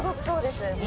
そうです。